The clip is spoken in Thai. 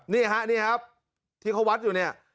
นี่ฮะนี่ครับที่เขาวัดอยู่เนี่ย